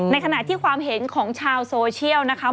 ขณะที่ความเห็นของชาวโซเชียลนะคะ